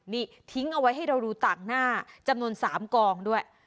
นี่ทิ้งเอาไว้ให้เราดูต่างหน้าจำนวน๓กองด้วย